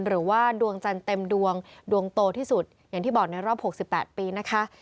หรือว่าดวงจันทร์เต็มดวงดวงโตที่สุดอย่างที่บอกในรอบ๖๘ปีนะคะ